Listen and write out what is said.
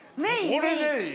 これでいい。